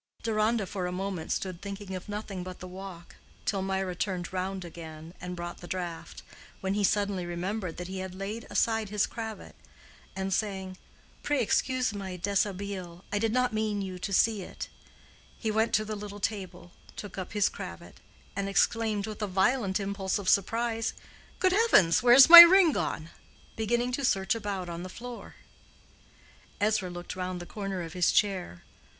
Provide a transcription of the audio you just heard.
Deronda for a moment stood thinking of nothing but the walk, till Mirah turned round again and brought the draught, when he suddenly remembered that he had laid aside his cravat, and saying—"Pray excuse my dishabille—I did not mean you to see it," he went to the little table, took up his cravat, and exclaimed with a violent impulse of surprise, "Good heavens, where is my ring gone?" beginning to search about on the floor. Ezra looked round the corner of his chair.